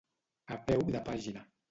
A peu de pàgina.